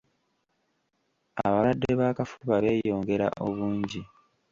Abalwadde b'akafuba beeyongera obungi.